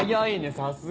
さすが。